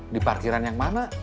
di parkiran yang mana